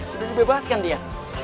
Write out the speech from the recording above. sudah dibebaskan dia